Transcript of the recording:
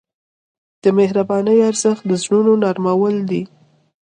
د مهربانۍ ارزښت د زړونو نرمول دي.